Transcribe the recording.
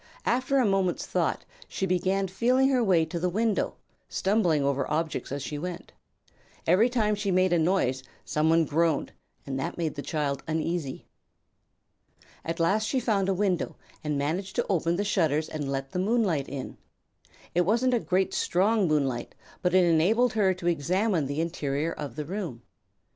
After a moment's thought she began feeling her way to the window, stumbling over objects as she went. Every time she made a noise some one groaned, and that made the child uneasy. At last she found a window and managed to open the shutters and let the moonlight in. It wasn't a very strong moonlight but it enabled her to examine the interior of the room.